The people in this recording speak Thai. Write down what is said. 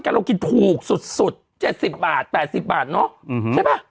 แต่เรากินถูกสุด๗๐บาท๘๐บาทเนอะใช่ป่ะ